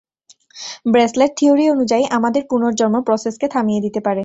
Bracelet, theory অনুযায়ী, আমাদের পুণর্জন্ম প্রোসেসকে থামিয়ে দিতে পারে।